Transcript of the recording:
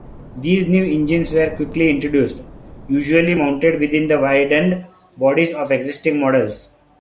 These new engines were quickly introduced, usually mounted within widened bodies of existing models.